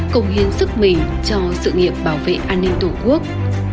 công hiến sức mình cho sự nghiệp bảo vệ an ninh tổ quốc